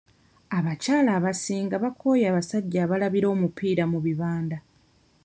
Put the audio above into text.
Abakyala abasinga baakooye abasajja abalabira omupiira mu bibanda.